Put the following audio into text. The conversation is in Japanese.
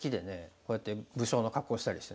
こうやって武将の格好したりして。